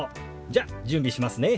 じゃ準備しますね。